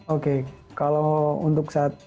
oke kalau untuk saat